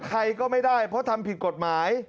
ใครก็ไม่ได้เพราะทำผิดกฎหมาย